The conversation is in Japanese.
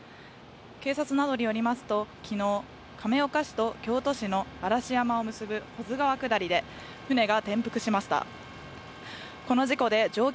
警察などによりますと、きのう亀岡市と京都市の嵐山を結ぶ保津川下りで舟が転覆しました。